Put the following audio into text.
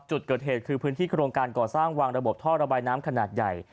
จุดเกิดเหตุคือพื้นที่โครงการก่อสร้างวางระบบท่อระบายน้ำขนาดใหญ่